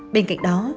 bên cạnh đó